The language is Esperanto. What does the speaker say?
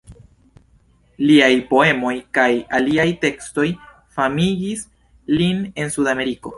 Liaj poemoj kaj aliaj tekstoj famigis lin en Sudameriko.